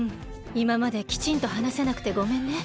いままできちんとはなせなくてごめんね。